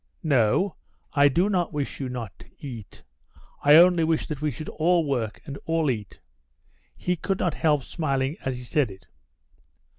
"No, I do not wish you not to eat. I only wish that we should all work and all eat." He could not help smiling as he said it.